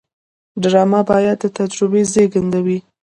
ډرامه باید د تجربې زیږنده وي